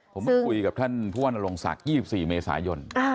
ผมไปคุยกับท่านผู้ว่านรงศักดิ์๒๔เมษายน